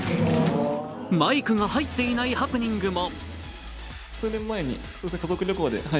マイクが入っていないハプニングも。